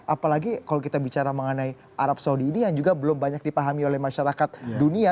apalagi kalau kita bicara mengenai arab saudi ini yang juga belum banyak dipahami oleh masyarakat dunia